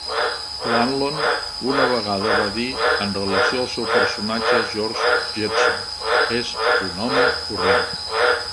O'Hanlon una vegada va dir en relació al seu personatge: George Jetson és un home corrent.